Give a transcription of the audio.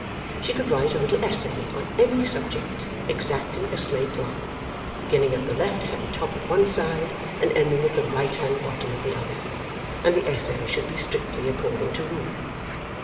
She could write a little essay on any subject, exactly a slate long, beginning at the left hand top of one side and ending at the right hand bottom of the other, and the essay should be strictly according to rule.